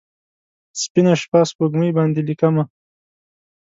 سپینه شپه، سپوږمۍ باندې لیکمه